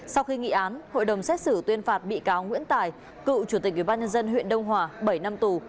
sau khi nghị án hội đồng xét xử tuyên phạt bị cáo nguyễn tài cựu chủ tịch ubnd huyện đông hòa bảy năm tù